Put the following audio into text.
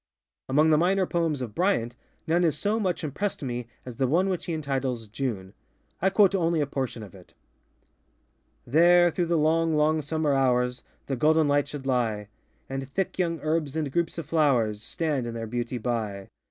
Among the minor poems of Bryant, none has so much impressed me as the one which he entitles ŌĆ£June.ŌĆØ I quote only a portion of it:ŌĆö There, through the long, long summer hours, The golden light should lie, And thick young herbs and groups of flowers Stand in their beauty by.